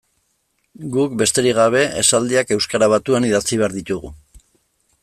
Guk, besterik gabe, esaldiak euskara batuan idatzi behar ditugu.